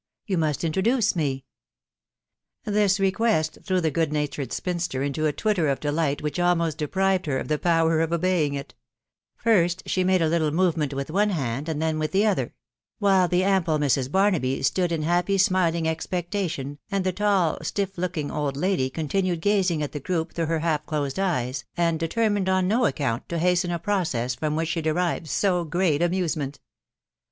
..• You must introduce me." This request threw the good natured spinster into a twitter of delight which almost deprived her of the power of obeying it: first she made a little movement with one hand, and then with the other; while the ample Mrs. Barnaby stood in happy smiling expectation, and the tall, stiff looking old lady con tinued gazing at the group through her half closed eyes, and determined on no account to hasten a process from which she derived so great amusement.